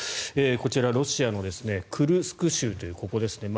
こちら、ロシアのクルスク州というところですね。